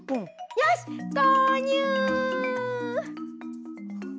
よし、購入。